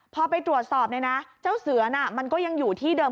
พอไปตรวจสอบเนี่ยนะเจ้าเสือน่ะมันก็ยังอยู่ที่เดิม